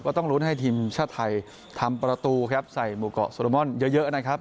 ต้องลุ้นให้ทีมชาติไทยทำประตูครับใส่หมู่เกาะโซโลมอนเยอะนะครับ